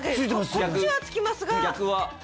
こっちはつきますが逆は？